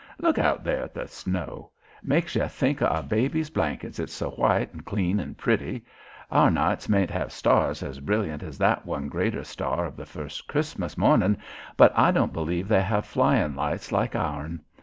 Look out there at the snow! Makes you think o' a baby's blankets, it's so white and clean and pretty. Our nights man't have stars as brilliant as that one greater star of the first Christmas mornin', but I don't believe they have flyin' lights like 'ourn.